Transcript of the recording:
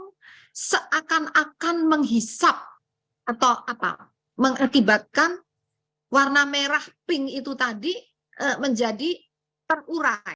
karena ini tidak akan menghisap atau mengakibatkan warna merah pink itu tadi menjadi perurai